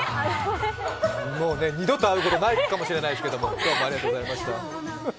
もうね、二度と会うことないかもしれないですけど、どうもありがとうございました。